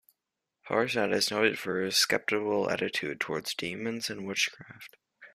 Harsnett is noted for his sceptical attitude towards demons and witchcraft.